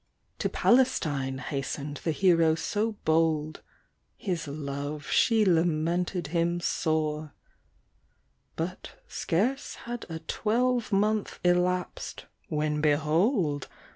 To Palestine hastened the hero so bold, His love she lamented him sore; But scarce had a twelve month elapsed, when behold!